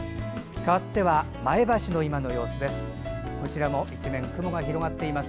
かわっては前橋の今の様子です。